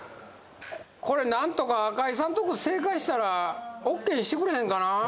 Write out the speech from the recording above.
これなんとか赤井さんとこ正解したらオーケーにしてくれへんかな？